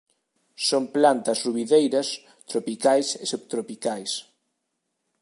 Son plantas rubideiras tropicais e subtropicais.